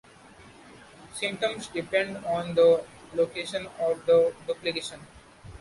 Symptoms depend on the location of the duplication.